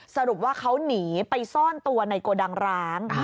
สรุปว่าเขาหนีไปซ่อนตัวในโกดังร้าง